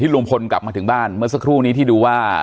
ลุงพลกลับมาถึงบ้านเมื่อสักครู่นี้ที่ดูว่า